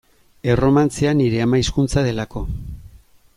Erromantzea nire ama hizkuntza delako.